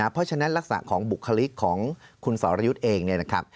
เพราะฉะนั้นลักษณะของบุคลิกของคุณสรยุทธ์เองเนี่ยนะครับ